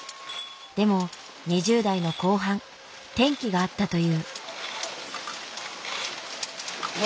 でも２０代の後半転機があったという。